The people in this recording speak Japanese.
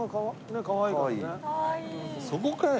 そこかい！